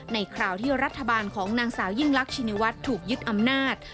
คราวที่รัฐบาลของนางสาวยิ่งรักชินวัฒน์ถูกยึดอำนาจ